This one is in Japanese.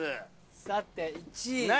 さて１位は。